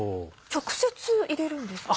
直接入れるんですか？